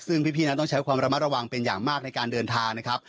ซึ่งพี่นั้นต้องใช้ความระมัดระวังเป็นอย่างมากในการเดินทางนะครับ